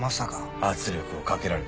圧力をかけられた。